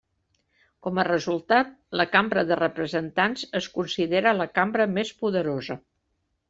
Com a resultat, la Cambra de Representants es considera la cambra més poderosa.